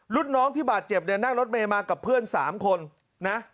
รุ่นน้องที่บาดเจ็บเนี่ยนั่งรถเมย์มากับเพื่อน๓คนนะ